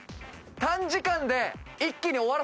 短時間で一気に終わらせます！